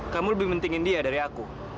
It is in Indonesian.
kamu lebih pentingin dia dari aku